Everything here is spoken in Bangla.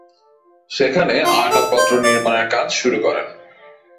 সেখানে আসবাবপত্র নির্মাণের কাজ শুরু করেন।